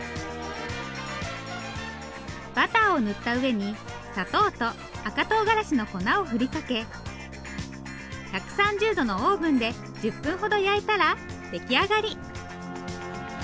バターを塗った上に砂糖と赤とうがらしの粉をふりかけ１３０度のオーブンで１０分ほど焼いたら出来上がり。